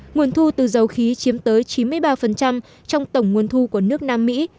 nguồn thu từ dầu khí chiếm tới chín mươi ba trong tổng nguồn thu của nước nam mỹ